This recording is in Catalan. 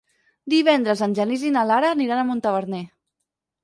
Divendres en Genís i na Lara aniran a Montaverner.